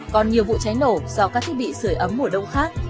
còn nhiều vụ cháy nổ do các thiết bị sửa ấm mùa đông khác